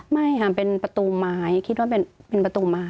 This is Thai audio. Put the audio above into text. ไม่ค่ะเป็นประตูไม้คิดว่าเป็นประตูไม้